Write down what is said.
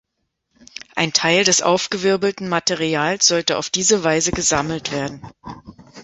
Ein Teil des aufgewirbelten Materials sollte auf diese Weise gesammelt werden.